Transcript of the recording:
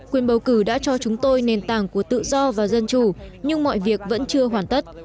quyền bầu cử đã cho chúng tôi nền tảng của tự do và dân chủ nhưng mọi việc vẫn chưa hoàn tất